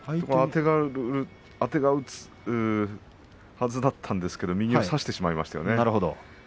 あてがうはずだったんですが右を差してしまいましたね。